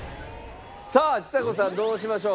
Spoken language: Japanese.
さあちさ子さんどうしましょう？